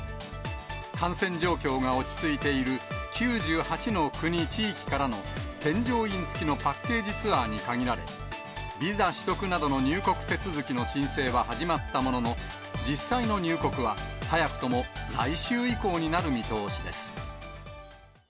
感染状況が落ち着いている９８の国、地域からの添乗員付きのパッケージツアーに限られ、ビザ取得などの入国手続きの申請は始まったものの、実際の入国は、早くとも来週以降になる見通しです。